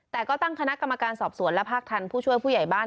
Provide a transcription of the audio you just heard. แต่ก็ตั้งคณะกรรมการสอบสวนและภาคทันผู้ช่วยผู้ใหญ่บ้าน